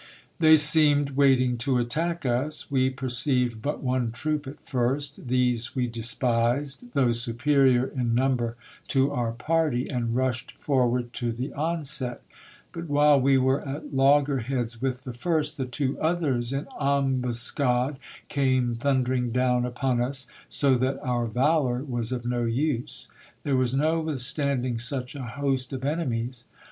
They seemed waiting to attack us. We perceived but one troop at first. These we despised, though superior in number to our party, and rushed forward to the onset. But while we were at loggerheads with the first, the two others iu ambuscade came thundering down upon us ; so that our valour was of no use. There was no withstanding such a host of enemies.